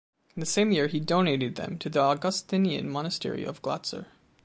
In the same year he donated them to the Augustinian monastery of Glatzer.